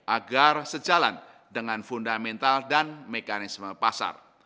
agar sejalan dengan fundamental dan mekanisme pasar